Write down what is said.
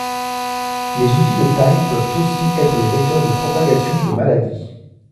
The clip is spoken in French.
Les outils de taille peuvent aussi être les vecteurs de propagation de maladies.